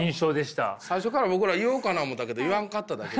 最初から僕らは言おうかな思ったけど言わんかっただけ。